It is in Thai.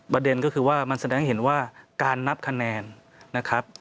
ประเด็นก็คือว่ามันแสดงให้เห็นว่าการนับคะแนนนะครับ